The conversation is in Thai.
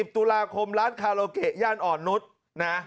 ตุลาคมร้านคาโลเกะย่านอ่อนนุษย์นะ